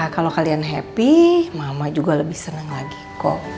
kalo kalian happy mama juga lebih seneng lagi kok